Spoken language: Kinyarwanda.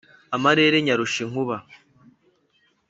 amarere nyarusha inkuba